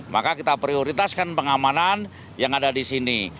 maka kita prioritaskan pengamanan yang ada di sini